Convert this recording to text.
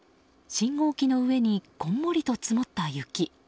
信号機の上にこんもりと積もった雪。